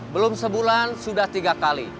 belum sebulan sudah tiga kali